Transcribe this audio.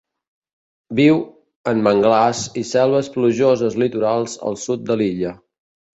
Viu en manglars i selves plujoses litorals al sud de l'illa.